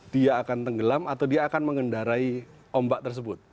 dia akan tenggelam atau dia akan mengendarai ombak tersebut